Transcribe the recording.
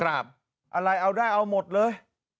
อะไรเอาได้เอาหมดเลย